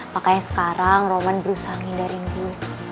makanya sekarang roman berusaha menghindari dia